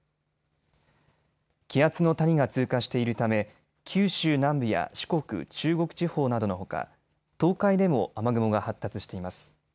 気圧の谷が通過しているため九州南部や四国、中国地方などのほか東海でも雨雲が発達しています。